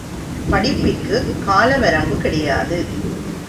படிப்பிற்குத் கால வரம்பு கிடையாது.